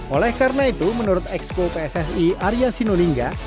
oleh karena itu menurut exco pssi arya sinulinga